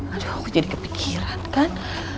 aduh aku jadi kepikiran kan